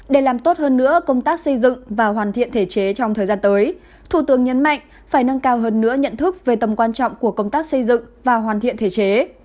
để làm tốt hơn nữa công tác xây dựng và hoàn thiện thể chế trong thời gian tới thủ tướng nhấn mạnh phải nâng cao hơn nữa nhận thức về tầm quan trọng của công tác xây dựng và hoàn thiện thể chế